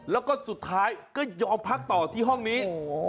แล้วก็สุดท้ายก็ยอมพักต่อที่ห้องนี้